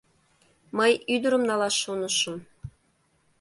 — Мый ӱдырым налаш шонышым.